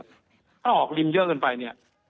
ถ้าออกริมเยอะเกินไปเนี่ย